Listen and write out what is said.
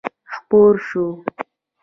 خپور شو.